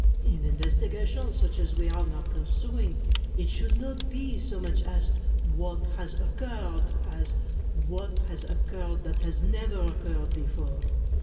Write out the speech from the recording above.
In investigations such as we are now pursu ing, it shoidd not be so much asked 'what has occurred,* as *what has occurred that has never occurred before.